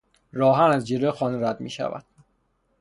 راهآهن از جلو خانه رد میشود.